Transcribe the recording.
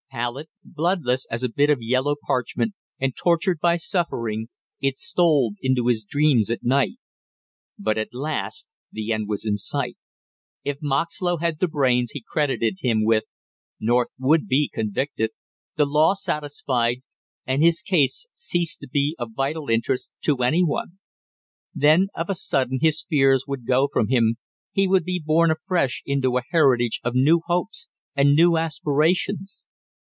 Pallid, bloodless as a bit of yellow parchment, and tortured by suffering, it stole into his dreams at night. But at last the end was in sight! If Moxlow had the brains he credited him with, North would be convicted, the law satisfied, and his case cease to be of vital interest to any one. Then of a sudden his fears would go from him, he would be born afresh into a heritage of new hopes and new aspirations!